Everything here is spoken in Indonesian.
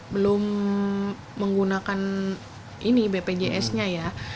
belum menggunakan ini bpjs nya ya